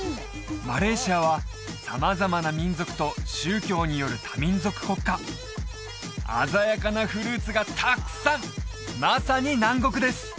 マレーシアは様々な民族と宗教による多民族国家鮮やかなフルーツがたくさんまさに南国です